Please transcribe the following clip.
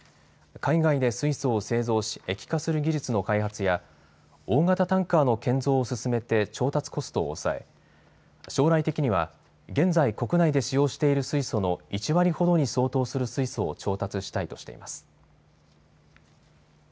海外で水素を製造し液化する技術の開発や大型タンカーの建造を進めて調達コストを抑え将来的には現在国内で使用している水素の１割ほどに相当する水素を調達したいとしています。